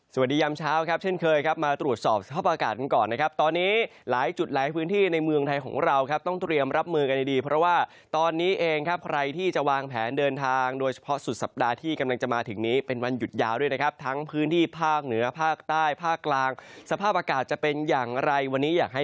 ยามเช้าครับเช่นเคยครับมาตรวจสอบสภาพอากาศกันก่อนนะครับตอนนี้หลายจุดหลายพื้นที่ในเมืองไทยของเราครับต้องเตรียมรับมือกันดีดีเพราะว่าตอนนี้เองครับใครที่จะวางแผนเดินทางโดยเฉพาะสุดสัปดาห์ที่กำลังจะมาถึงนี้เป็นวันหยุดยาวด้วยนะครับทั้งพื้นที่ภาคเหนือภาคใต้ภาคกลางสภาพอากาศจะเป็นอย่างไรวันนี้อยากให้